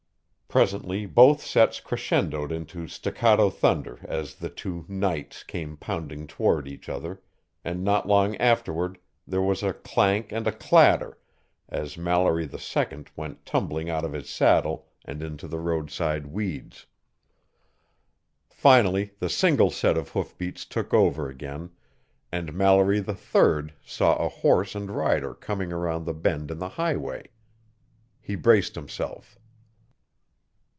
Presently both sets crescendoed into staccato thunder as the two "knights" came pounding toward each other, and not long afterward there was a clank and a clatter as Mallory II went tumbling out of his saddle and into the roadside weeds. Finally the single set of hoofbeats took over again, and Mallory III saw a horse and rider coming around the bend in the highway. He braced himself.